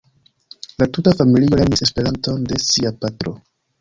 La tuta familio lernis Esperanton de sia patro.